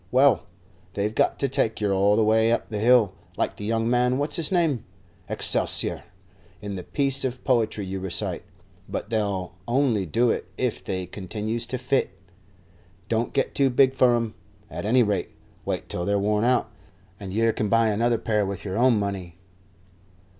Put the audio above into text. "Well, they've got to take yer all the way up the hill, like the young man what's his name? Excelsure in the piece of poetry you recite; but they'll only do it if they continues to fit. Don't get too big for 'em. At any rate, wait till they're worn out and yer can buy another pair with yer own money."